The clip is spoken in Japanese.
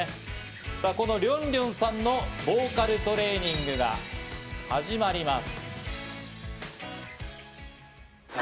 このりょんりょんさんのボーカルトレーニングが始まります。